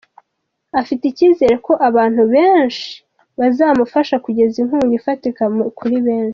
Afite icyizere ko abantu benshibazamufasha kugeza inkunga ifatika kuri benshi.